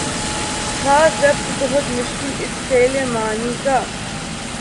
تھا ضبط بہت مشکل اس سیل معانی کا